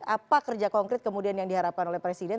apa kerja konkret kemudian yang diharapkan oleh presiden